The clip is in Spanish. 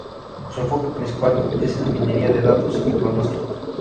Su enfoque principal es en minería de datos y pronósticos.